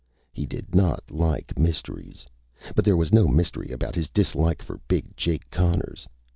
He did not like mysteries. But there was no mystery about his dislike for Big Jake Connors.